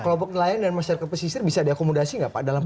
kelompok klien dan masyarakat pesisir bisa diakomodasi gak pak